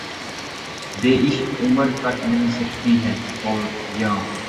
بے عشق عمر کٹ نہیں سکتی ہے‘ اور یاں